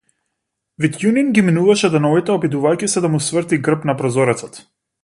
Витјунин ги минуваше деновите обидувајќи се да му сврти грб на прозорецот.